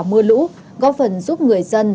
mưa lũ góp phần giúp người dân